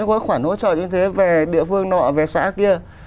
gói khoản hỗ trợ như thế về địa phương nọ về xã kia